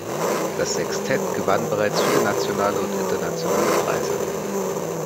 Das Sextett gewann bereits viele nationale und internationale Preise.